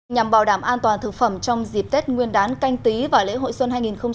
nhằm bảo đảm an toàn thực phẩm trong dịp tết nguyên đán canh tí và lễ hội xuân hai nghìn hai mươi